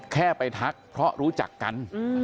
แค่ไปทักเพราะรู้จักกัน